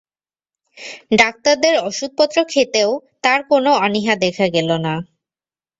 ডাক্তারদের অষুধপত্র খেতেও তার কোনো অনীহা দেখা গেল না।